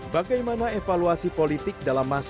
bagaimana evaluasi politik dalam masa